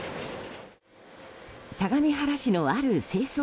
相模原市のある清掃